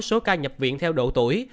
số ca nhập viện theo độ tuổi